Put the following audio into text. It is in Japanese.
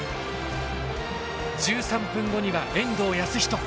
１３分後には遠藤保仁。